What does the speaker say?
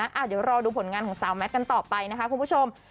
เดี๋ยวรอดูผลงานของสาวแมทกันต่อไปนะคะคุณผู้ชม